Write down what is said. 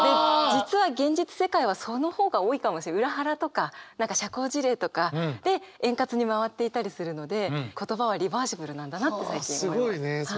実は現実世界はその方が多いかも裏腹とか何か社交辞令とかで円滑に回っていたりするので言葉はリバーシブルなんだなって最近思います。